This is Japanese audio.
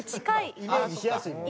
イメージしやすいよね。